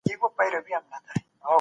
که موږ متحد سو، خپل هېواد به جوړ کړو.